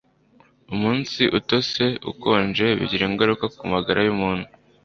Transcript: Umunsi utose, ukonje bigira ingaruka kumagara yumuntu.